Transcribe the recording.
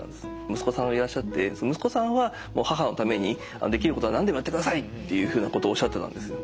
息子さんがいらっしゃって息子さんは「母のためにできることは何でもやってください！」っていうふうなことをおっしゃってたんですよ。